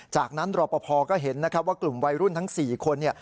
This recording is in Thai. จากนั้นรอบพคนนี้ก็เห็นว่ากลุ่มวัยรุ่นทั้ง๔คน